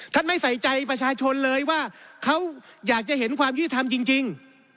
ไม่ใส่ใจประชาชนเลยว่าเขาอยากจะเห็นความยุติธรรมจริง